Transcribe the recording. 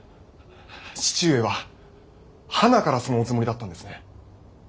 父上ははなからそのおつもりだったんですね。